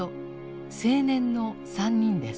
青年の３人です。